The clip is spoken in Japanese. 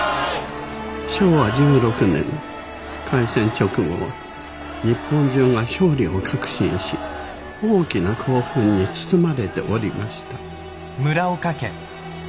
昭和１６年開戦直後は日本中が勝利を確信し大きな興奮に包まれておりました。